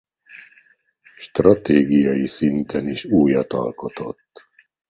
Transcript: Stratégiai szinten is újat alkotott.